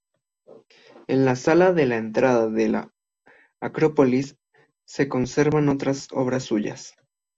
En la sala de la entrada de la Acrópolis se conservaban otras obras suyas.